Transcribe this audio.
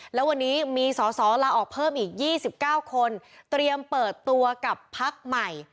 แล้ววันนี้มีสอสอลาออกเพิ่มอีก๒๙คนเตรียมเปิดตัวกับพักใหม่